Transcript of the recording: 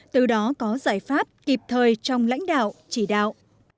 từ đó có giải pháp kịp thời trong lãnh đạo chỉ đạo